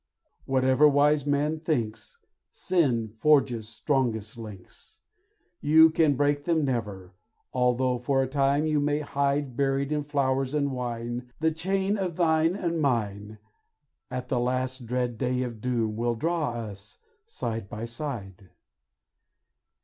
Whatever wise man thinks, Sin forges strongest links, You can break them never, although for a time you may hide Buried in flowers and wine; This chain of thine and mine, At the last dread day of doom will draw us side by side.